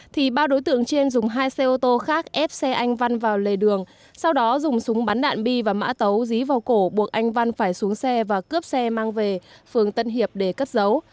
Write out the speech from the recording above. thì ba đối tượng trên dùng hai xe ô tô khác ép xe anh văn vào lề đường sau đó dùng súng bắn đạn bi và mã tấu dí vào cổ buộc anh văn phải xuống xe và cướp xe mang về phường tân hiệp để cất giấu